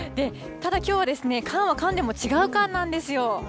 ただきょうは、缶はカンでも違うカンなんですよ。